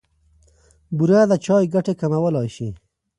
بوره د چای ګټې کمولای شي.